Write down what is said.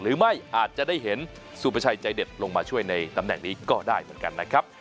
หรือไม่อาจจะได้เห็นสุประชัยใจเด็ดลงมาช่วยในตำแหน่งนี้ก็ได้เหมือนกันนะครับ